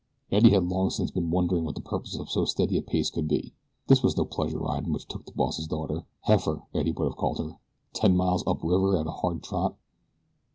Eddie had long since been wondering what the purpose of so steady a pace could be. This was no pleasure ride which took the boss's daughter "heifer," Eddie would have called her ten miles up river at a hard trot.